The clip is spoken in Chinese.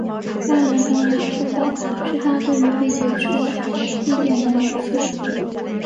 该案的重大突破是她对于被劫车地点的描述。